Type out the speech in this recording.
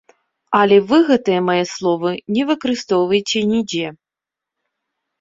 Але вы гэтыя мае словы не выкарыстоўвайце нідзе.